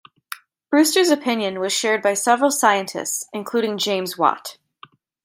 Brewster's opinion was shared by several scientists, including James Watt.